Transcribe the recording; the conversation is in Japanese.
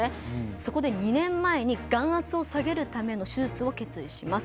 そこで２年前に眼圧を下げるための手術を決意します。